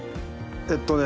えっとね。